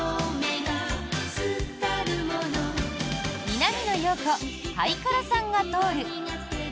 南野陽子「はいからさんが通る」。